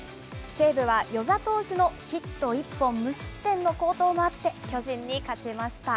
西武は與座投手のヒット１本無失点の好投もあって巨人に勝ちました。